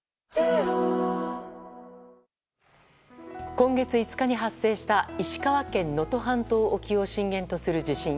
今月５日に発生した石川県能登半島沖を震源とする地震。